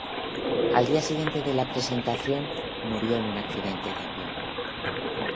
Al día siguiente de la presentación, murió en un accidente de avión.